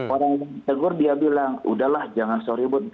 orang yang tegur dia bilang udahlah jangan sorry but